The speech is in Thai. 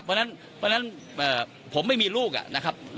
เพราะฉะนั้นผมไม่มีลูกนะครับ